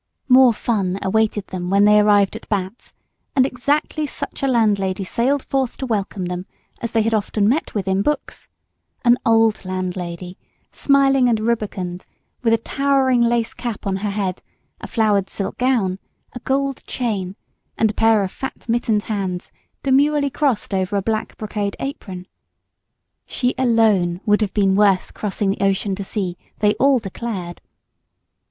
More "fun" awaited them when they arrived at Batt's, and exactly such a landlady sailed forth to welcome them as they had often met with in books, an old landlady, smiling and rubicund, with a towering lace cap on her head, a flowered silk gown, a gold chain, and a pair of fat mittened hands demurely crossed over a black brocade apron. She alone would have been worth crossing the ocean to see, they all declared.